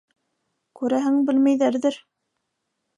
Күрәһең, белмәйҙәрҙер.